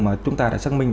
mà chúng ta đã xác minh